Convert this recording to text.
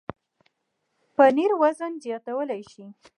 پنېر وزن زیاتولی شي.